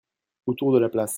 Autour de la place.